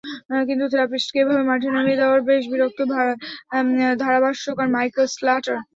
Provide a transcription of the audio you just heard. কিন্তু থেরাপিস্টকে এভাবে মাঠে নামিয়ে দেওয়ায় বেশ বিরক্ত ধারাভাষ্যকার মাইকেল স্ল্যাটার।